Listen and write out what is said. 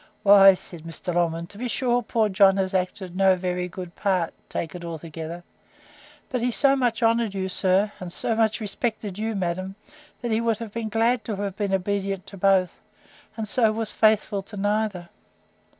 —Why, said Mr. Longman, to be sure poor John has acted no very good part, take it altogether; but he so much honoured you, sir, and so much respected you, madam, that he would have been glad to have been obedient to both; and so was faithful to neither.